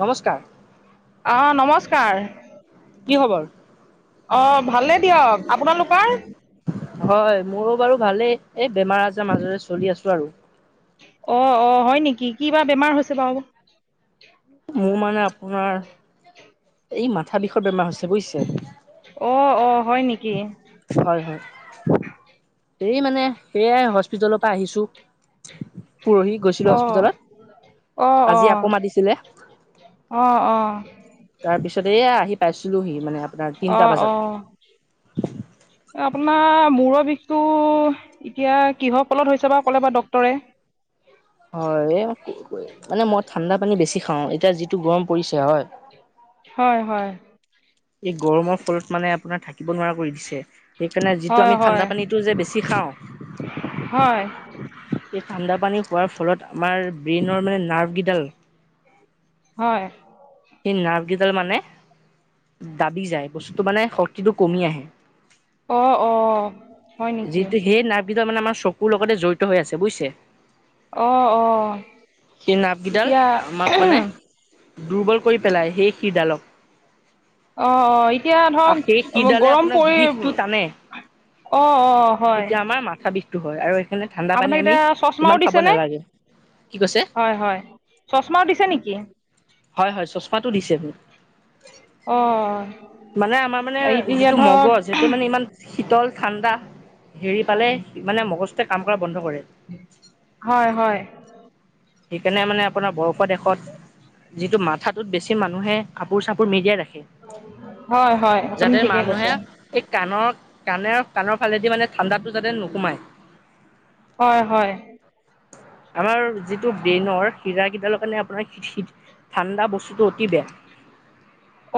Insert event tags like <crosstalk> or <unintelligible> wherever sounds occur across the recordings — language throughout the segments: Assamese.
নমস্কাৰ আহ নমস্কাৰ কি খবৰ অ ভালে দিয়ক আপোনালোকৰ হয় মোৰো বাৰু ভালেই এই বেমাৰ আজাৰ মাজৰে চলি আছো আৰু অ অ হয় নেকি ক বা বেমাৰ হৈছে বাৰু মোৰ মানে আপোনাৰ এই মাথা বিষত বেমাৰ হৈছে বুজিছে অ অ হয় নেকি হয় হয় এই মানে সেয়াই হস্পিতালৰ পৰা আহিছো পৰহি গৈছিলো হস্পিতেলত আহ অ আহ অ তাৰপিছত এয়া আহি পাইছিলোহি মানে আপোনাৰ অ তিনটা অ বজাত আপোনাৰ মূৰৰ বিষটো এতিয়া কিহৰ কলত হৈছে বা ক'লে বা ডক্তৰে হয় মানে ম ঠাণ্ডা পানী বেছি খাওঁ এতিয়া যিটো গৰম পৰিছে হয় হয় হয় এই গৰমৰ ফলত মানে আপোনাৰ থাকে ঠাকিব নোৱাৰা কৰি দিছে সেইকাৰণে যিটো হয় আমি হয় ঠাণ্ডা পানীটো যে বেছি খাওঁ হয় এই ঠাণ্ডা পানী পোৱাৰ ফলত আমাৰ ব্ৰেইনৰ মানে নাৰ্ভ কেইডাল হয়। <inaudible> কেইডাল মানে দাবি যায় বস্তুটো মানে শক্তিটো কমি আহে। অ অ হয় নেকি যিটো সেই নাৰ গিতা মানে আমাৰ চকু কোৰ লগতে জড়িত হৈ আছে বুজিছে? অ অ সেই নাব কেইডাল এতিয়া আমাক মানে দুৰ্বল কৰি পেলাই সেই শিৰডালক। অ' অ' এতিয়া আৰু সেই ধৰক শিৰডালে গৰম আপোনাক পৰি বিষটো টানে। অ' অ' হয় তেতিয়া আমাৰ মাথা বিষটো হয় আৰু সেইকাৰণে ঠাণ্ডা পানী আপোনাক আমি এতিয়া ইমান চশমাও খাব দিছেনে? নালাগে। কি কৈছে? হয় হয় চশমাও দিছে নেকি? হয় হয় চশমাতটো দিছে মোক। অ', মানে আমাৰ মানে এতিয়া যিটো ধৰক মগজ সেইটো মানে ইমান শীতল ঠাণ্ডা হেৰি পালে মানে মগজে কাম কৰা বন্ধ কৰে হয়, হয়, সেইকাৰণে মানে আপোনাৰ বৰফৰ দেশত যিটো মাথাটোত বেছি মানুহে কাপোৰ চাপোৰ মেৰিয়াই ৰাখে। হয়, হয় আপুনি যাতে ঠিকে কৈছে মানুহে এই কাণৰ কাণৰ কাণৰ ফালেদি মানে ঠাণ্ডাটো যাতে নোসোমাই। হয় হয়। আমাৰ যিটো ব্ৰেইনৰ হিৰা কেইডালৰ কাৰণে আপোনাৰ ঠাণ্ডা বস্তুটো অতি বেয়া।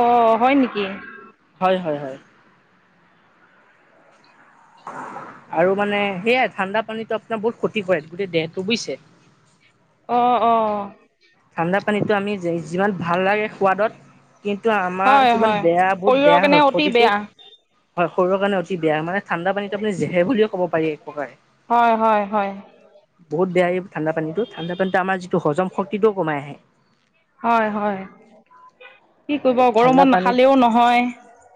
অ' হয় নেকি? হয় হয় হয়। <inaudible> আৰু মানে সেয়াই ঠাণ্ডা পানী আপোনাৰ বহুত ক্ষতি কৰে গোটেই দেহটো বুজিছে? অ' অ' ঠাণ্ডা পানীটো আমি যিমান ভাল লাগে সোৱাদত কিন্তু আমাৰ হয়, কিমান হয় বেয়া বহুত শৰীৰৰ বেয়া কাৰণে হয় অতি ক্ষতিটো বেয়া হয় শৰীৰৰ কাৰণে অতি বেয়া মানে ঠাণ্ডা পানীত আপুনি জেহে বুলিও ক'ব পাৰে এক প্ৰকাৰে। হয় হয় হয়। বহুত বেয়া এই ঠাণ্ডা পানীটো ঠাণ্ডা পানীতটো আমাৰিটো হম শক্তিটোও কমাই আহে। হয় হয় কি কৰিব আৰু ঠাণ্ডা গৰমত পানীত নাখালেও নহয়।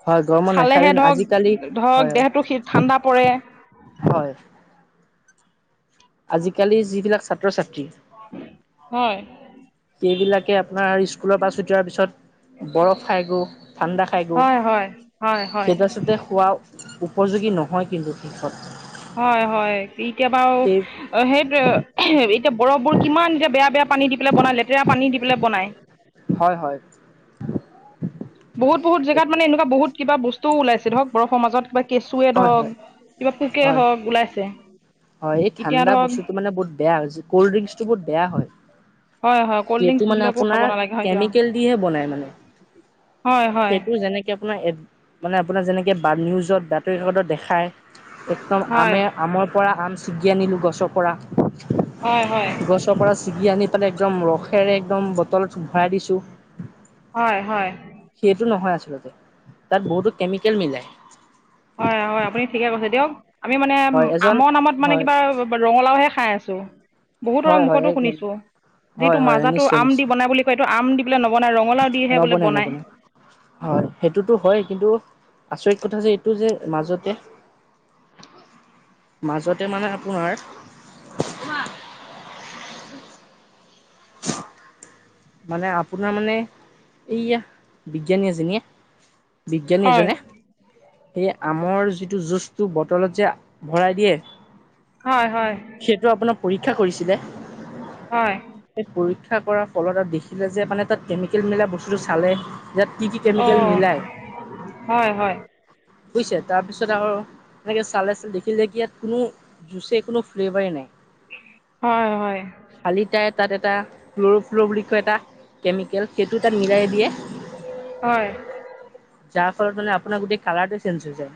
হয় গৰমত নাখালে খালেহে আজিকালি ধৰক ধৰক হয় দেহটো ঠাণ্ডা পৰে। হয়। আজিকালি যিবিলাক ছাত্ৰ ছাত্ৰী হয়, এইবিলাকে আপোনাৰ স্কুলৰ পৰা ছোটী হোৱাৰ পিছত বৰফ খাই গো ঠাণ্ডা খাই গো হয়, হয়, হয়, হয়। সেইটোাৰচতে খোৱা উপযোগী নহয় কিন্তু শিকষত হয় হয় এতিয়া বাউ সেইটোৱে। বৰফবোৰ কিমান এতিয়া বেয়া বেয়া পানী দি পেলাই বনাই লেতেৰা পানী দি পেলাই বনায়। হয় হয়। বহুত বহুত জেগাত মানে এনেুৱা বহুত কিবা বস্তু ওলাইছে ধৰক বৰফৰ মাজত। কেঁচুৱে হয় হয় হওক কিবা পোকে হয় হওক ওলাইছে। হয় এই এতিয়া ঠাণ্ডা ধৰক বস্তুত মানে বহু বেয়া কল্ড ড্ৰিংকচ টো বহুত বেয়া হয়। হয় হয় ক'ল্ড সটো মানে ড্ৰিংকছবিলাকো খাব আপোনাৰ নালাগে হয় দিয়ক কেমিকেল দিহে বনাই মানে। হয় হয় সেইটো যেনেকে আপোনাৰ মানে আপোনাৰ যেনেকে বা নিউজত বাতৰি কাকতত দেখায একদম হয় আমে আমৰ পৰা আম ছিগি আনিলো গছৰ পৰা। হয় হয় গছৰ পৰা ছিগি আনি পেলাই একদম ৰসেৰে একদম বটলত ভৰাই দিছোঁ হয় হয় সেইটো নহয় আচলতে তাত বহুতো কেমিকেল মিলায় হয় -হয় আপুনি ঠিকে কৈছে দিয়ক আমি মানে হয় এজন আমৰ নামত মানে হয় কিবা ৰঙালাওহে খাই আছো বহুতৰ হয় হয় মুখতো একদম শুনিছো। যিটো হয় হয় মাজাটো নিশ্চয় আম দি নিশ্চয় বনাই বুলি কয় এইটো আম দি বোলে নবনাই ৰঙালাও দিহে বোলে নবনাই বনায় নবনাই হয় সেইটোতো হয় কিন্তু আচৰিত কথা যে এইটো যে মাজতে মাজতে মানে আপোনাৰ মানে আপোনাৰ মানে এইয়া বিজ্ঞানী এজনে বিজ্ঞানী হয় এজনে সেই আমৰ যিটো যুঁজ বটলত যে ভৰাই দিয়ে হয় হয় সেইটো আপোনাৰ পৰীক্ষা কৰিছিলে হয় সেই পৰীক্ষা কৰা কলহ তাত দেখিলে যে মানে তাত কেমিকেল মেলা বস্তুটো চালে ইয়াত কি কি কেমিকেল অঁ মিলায় হয় হয় বুজিছে তাৰপিছত আৰু এনেকে চালে চ দেখিলে কি ইয়াত কোনো জুচ কোনো ফ্লেভাৰেই নাই। হয় হয় শালি তাই তাত এটা ফ্ল্ল বুলি কয় এটা কেমেল কেমিকেল সেইটো তাত মিলাই দিয়ে হয় যাক ফলত মানে আপোনাৰ গোটেই কালাৰটো চেঞ্জ হৈ যায়।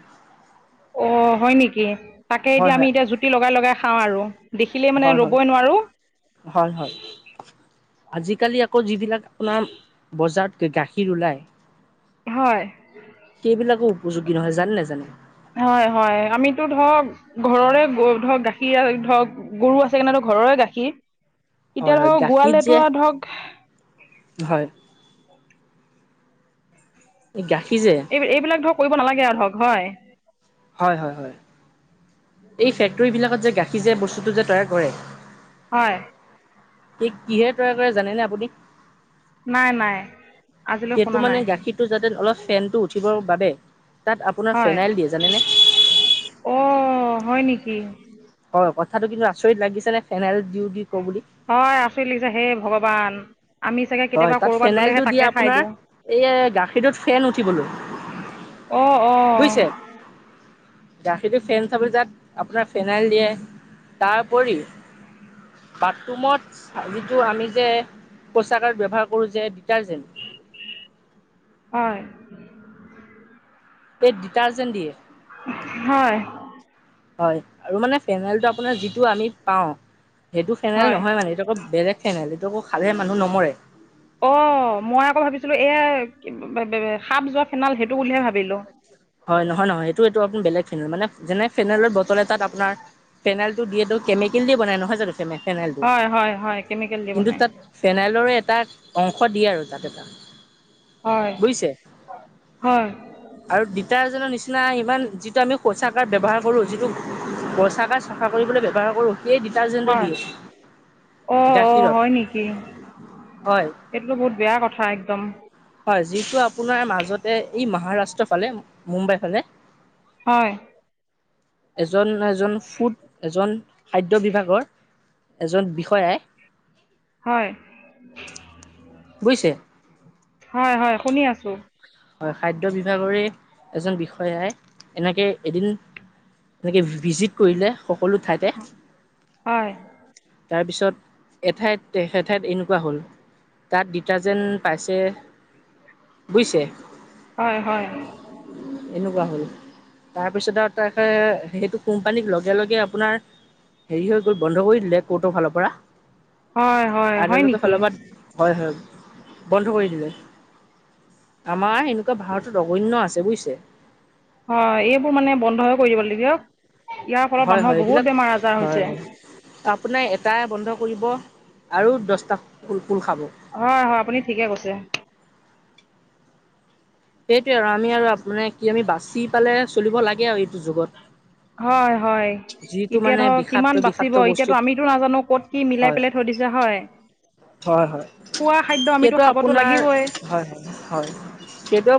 অ হয় নেকি তাকে হয় এতিয়া আমি হয় এতিয়া জুতি লগাই লগাই খাওঁ আৰু। দেখিলে মানে হয় হয় ৰবই নোৱাৰো হয় হয় আজিকালি আকৌ যিবিলাক আপোনাৰ বজাৰত গাখীৰ ওলায় হয় সেইবিলাকো উপযোগী নহয় জানেনে নাজানে হয় হয় আমিতো ধৰক ঘৰৰে ধৰক গাখীৰ ধৰক গৰু আছে কাৰনে ধৰ ঘৰৰে গাখীৰ হয় এতিয়া হয় ধৰ গাখীৰ যে গোৱালেতো আৰু ধৰক হয় <unintelligible> এই এইবিলাক ধৰক কৰিব নালাগে আৰু ধৰক হয়। হয় হয় হয় এই ফেক্টৰী বিলাকত যে গাখীৰ যে বস্তুটো যে তৈয়াৰ কৰে হয় সি কিহেৰে তৈয়াৰ কৰে জানেনে আপুনি নাই নাই আজিলৈ শুনা সেইটো নাই মানে গাখীৰটো যাতে অলপ ফেনটো উঠিবৰ বাবে তাত আপোনাৰ হয় ফেনাইল দিয়ে জানে নে অ' হয় নেকি কথাটো কিন্তু আচৰিত লাগিছে নে ফেনেল হয় আচৰি লাগিছে সেই ভগৱান আমি চাগে হয় কেতিয়াবা তাত ক'ৰবাত গ'লেহে ফেনাইলটো দিয়ে তাকে খাই আপোনাৰ দিওঁ এই গাখীৰটোত ফেন উঠিবলৈ অ অ বুজিছে? গাখীৰটো ফেন উঠাবলৈ তাত আপোনাৰ ফেনাইল দিয়ে তাৰ উপৰিও বাথৰুমত যিটো আমি যে। ব্যৱহাৰ কৰো যে ডিটাৰজেন্ত হয় পেট ডিটাৰ্জেণ্ট দিয়ে হয় হয় আৰু মানে ফেনেলটো আপোনাৰ যিটো আমি পাওঁ। সেইটো ফেনেল হয় নহয় মানে এইটো আকৌ বেলেগ ফেনেল এইটো আকৌ খালে মানুহ নমৰে অ মই আকৌ ভাবিছিলো এ সাপ যোৱা খেনাল সেইটো বুলিহে ভাবিলো হয় নহয় নহয় সেইটো এইটো আপুনৰ বেলেগ ফেনেল মানে যেনে ফেনোইলত বটলে তাত আপোনাৰ ফেনেলটো দিয়টো কেমিকেল দি বনাই নহয় জানো ফেনেল ফেনাইলটো হয় হয় হয় কেমিকেল দি কিন্তু বনাই তাত ফেনাইলৰে এটা তাক অংশ দিয়ে আৰু তাত এটা হয় বুজিছে হয় আৰু ডিটাৰজেন্টৰ নিচিনা ইমান যিটো আমি শৌচাকাৰ ব্যৱহাৰ কৰোঁ যিটো <unintelligible> পইচাকাত চাফা কৰিবলৈ ব্যয়ৱহাৰ কৰোঁ সেই ডিটাৰ্জেন্টো হয় দিিয় <unintelligible> অ -অ হয় নেকি এইটোতো বহুত বেয়া কথা একদম হয় যিটো আপোনাৰ মাজত এ ই মহাৰাষ্ট্ৰৰ ফালে মুম্বাই ফালে। হয় এজন-এজন ফুড এজন খাদ্য বিভাগৰ এজন বিষয়াই বুজিছে শুনি আছো হয়, খাদ্য বিভাগৰে এজন বিষয়াই এনেকে এদিন এনেকে ভিজিট কৰিলে সকলো ঠাইতে। হয়, তাৰপিছত এঠাইত এঠাইত এনেকুৱা হ'ল তাত ডিটাৰজেণ্ট পাইছে বুজিছে হয় -হয় এনেকুৱা হ'ল তাৰপিছত আৰু তে সেইটো কোম্পানীক লগে লগে আপোনাৰ হেৰি হৈ গ'ল বন্ধ কৰি দিলে কোৰ্টৰ ফালৰ পৰা হয় হয় হয় আদালতো নেকি ফালৰ পৰা হয়- হয় বন্ধ কৰি দিলে আমাৰ এনেকুৱা ভাৰতত অগণ্য আছে বুজিছো। আছে। হয় এইবোৰ মানে বন্ধ হৈ কৰি দিব লাগিব ইয়াৰ ফলত হয় হয় মানুহৰ এইবিলাক বহুত বেমাৰ আজাৰ হয় হৈছে হয় আপোনাৰ এটা বন্ধ কৰিব আৰু দহটা খোল খাব হয়-হয় আপুনি ঠিকে কৈছে। সেইটোৱে আৰু আমি আৰু আপুনি কি আমি বাচি পালে চলিব লাগে আৰু এইটো যুগত হয় হয় যিটো এতিয়া মানে ধৰ বিষাক্ত কিমান বিষাক্ত বাচিব এতিয়াতো বস্তুত আমিতো নাজানো কত কি মিলাই হয় পেলাই থৈ দিছো হয়। হয় হয় খোৱা খাদ্য আমিতো সেইটো খাবতো আপোনাৰ লাগিবই হয় হয় হয় সেইটো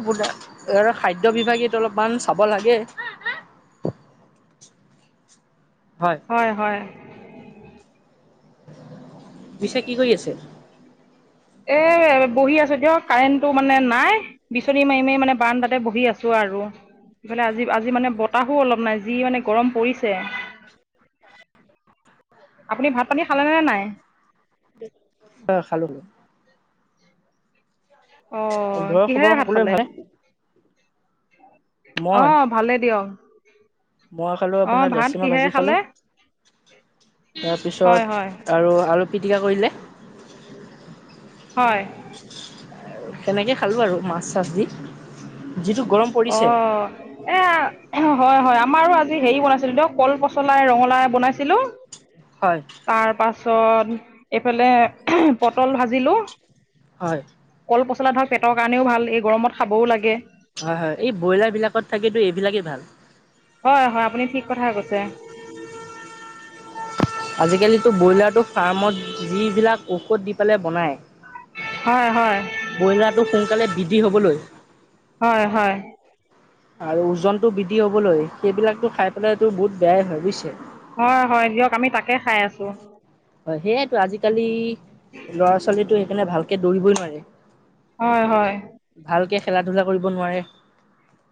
খাদ্যয বিভাগটো অলপমান চাব লাগে। হয় হয় পিছে কি কৰি আছে? এ বহি আছো দিয়ক কাৰেণ্টটো মানে নাই বিচনী মাৰি মাৰিই মানে বাৰান্দা তে বহি আছো আৰু। ইফালে আজি-আজি মানে বতাহো অলপ নাই যি মানে গৰম পৰিছে। <unintelligible> আপুনি ভাত পানী খালেনে নাই অহ খালো অ ঘৰৰ খবৰ 'কিহেৰে ভাত সকলোৱে খালে ভালে মই অ' ভালেই দিয়ক। মই খালোঁ অঁ আপোনাৰ ভাত লেচুমৰ কিহেৰে ভাজি খালোঁ খালে হয় হয় তাৰপিছত আৰু আলু পিটিকা কৰিলে হয় সেনেকে খালো আৰু মাছ চাছ দি যিটো গৰম পৰিছে অ' এ হয়-হয় আমাৰো আজি হেৰি বনাইছিলো দিয়ক কল পচলাই ৰঙালাও বনাইছিলো হয় তাৰপাছত তাৰ পিছত এইফালে পটল ভাজিলো হয় কল প <unintelligible> পচলা ধৰক পেটৰ কাৰণেও ভাল এই গৰমত খাবও লাগে। হয় হয় এই ব্ৰইলাৰ বিলাকত থাকো এইবিলাকেই ভাল হয় হয় আপুনি ঠিক কথা কৈছে আজিকালিতো ব্ৰইলাৰটো ফাৰ্মত যিবিলাক ঔষধ দি পেলাই বনাই। হয় হয় ব্ৰইলাৰটো সোনকালে বৃদ্ধি হবলৈ হয় হয় আৰু ওজনটো বৃদ্ধি হবলৈ, সেইবিলাকতো খাই পেলাইটো বহুত বেয়াই হয় বুজিছে? হয়, হয়। দিয়ক, আমি তাকে খাই আছো। ত' আজিকালি ল'ৰা ছোৱালীটো সেইকাৰণে ভাল। একে দৌৰিবই নোৱাৰে, হয় হয় ভালকে খেলা ধূলা কৰিব নোৱাৰে।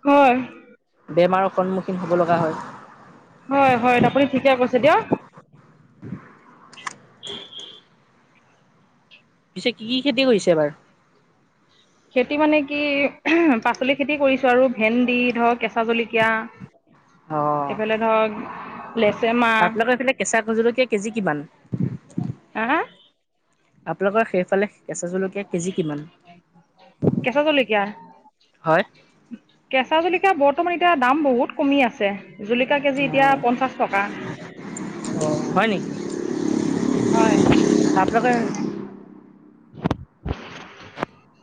হয়। বেমাৰৰ সন্মুখীন হ'ব লগা হয়। হয়, হয় আপুনি ঠিকে কৈছে দিয়ক। <unintelligible> <unintelligible> পিছে কি খেতি কৰিছে এবাৰ? খেতি মানে কি, পাচলি খেতি কৰিছো আৰু। ভেন্দি, ধৰক কেঁচা জলকীয়া। অঁ এইফালে ধৰক, আপোনালোকৰ এইফালে কেঁচা লেচেমাহ। জলকীয়া কেজি কিমান? <unintelligible> আপোনালোকৰ সেইফালে, কেঁচা জলকীয়াৰ কেজি কিমান? কেঁচা জলকীয়া, হয়? কেঁচা জলকীয়া বত। বৰ্তমান, এতিয়া দাম বহুত কমি আছে। জুলকীয়া কেজি এতিয়া, অঁ পঞ্চাশ টকা। হয় নেকি হয়। আপোনালোকে <unintelligible>